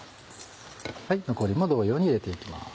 残りも同様に入れて行きます。